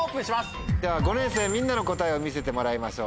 では５年生みんなの答えを見せてもらいましょう。